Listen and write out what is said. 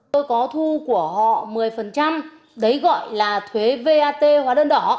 tôi có thu của họ một mươi đấy gọi là thuế vat hóa đơn đỏ